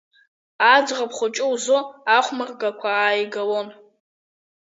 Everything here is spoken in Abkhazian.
Аӡӷаб хәыҷы лзы ахәмаргақәа ааигалон.